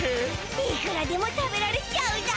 いくらでも食べられちゃうだ。